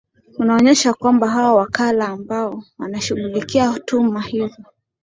unaonesha kwamba hao wakala ambao wanashughulikia tuhma hizo